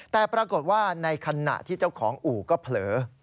แต่ปรากฏว่าในขณะที่เจ้าของอู่ก็เผลอ